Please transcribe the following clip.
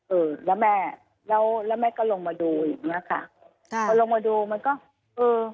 เออแล้วแม่แล้วแล้วแม่ก็ลงมาดูอย่างเงี้ยค่ะค่ะพอลงมาดูมันก็เออ